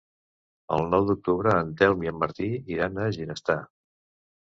El nou d'octubre en Telm i en Martí iran a Ginestar.